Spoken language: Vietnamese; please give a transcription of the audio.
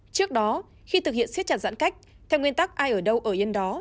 trước đó khi thực hiện siết chặt giãn cách theo nguyên tắc ai ở đâu ở yên đó